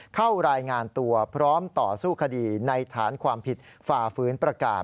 เข้ารายงานตัวพร้อมต่อสู้คดีในฐานความผิดฝ่าฝืนประกาศ